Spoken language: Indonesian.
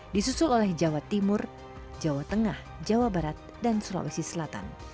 disusul oleh jawa timur jawa tengah jawa barat dan sulawesi selatan